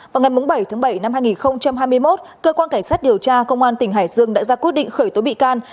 vào ngày bảy tháng bảy năm hai nghìn hai mươi một cơ quan cảnh sát điều tra công an tỉnh hải dương đã ra quyết định khởi tố bị can